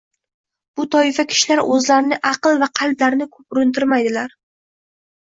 bu toifa kishilar o‘zlarini, aql va qalblarini ko‘p urintirmaydilar.